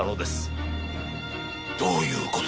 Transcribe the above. どういう事だ？